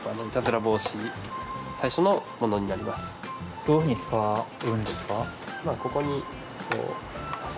どういうふうに使うんですか？